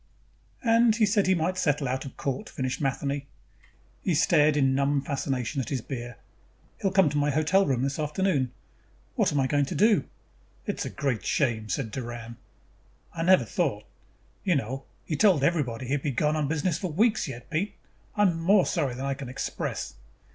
"And he said he might settle out of court," finished Matheny. He stared in a numb fashion at his beer. "He'll come to my hotel room this afternoon. What am I going to do?" "It is a great shame," said Doran. "I never thought.... You know, he told everybody he would be gone on business for weeks yet. Pete, I am more sorry than I can express."